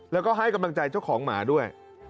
แล้วก็ให้กำลังใจเจ้าของหมาด้วย